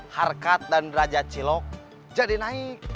harkat dan raja cilok jadi naik